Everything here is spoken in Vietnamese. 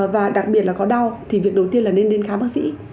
và đặc biệt là có đau thì việc đầu tiên là nên đến khám bác sĩ